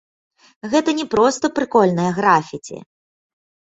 Гэта не проста прыкольнае графіці.